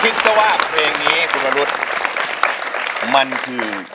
เชิงใช่ฟับผมของฝ่าคือ